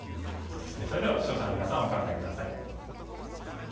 それでは視聴者のみなさんお考え下さい。